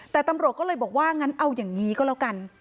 แต่ตำรวจก็เลยบอกว่างั้นเอาอย่างนี้ก็แล้วกัน